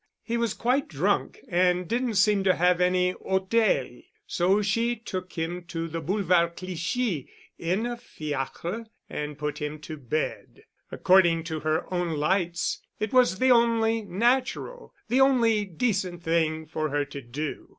He was quite drunk and didn't seem to have any Hôtel, so she took him to the Boulevard Clichy in a fiacre and put him to bed. According to her own lights, it was the only natural, the only decent thing for her to do.